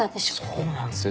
そうなんすよ